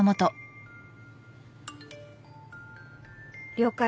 「了解！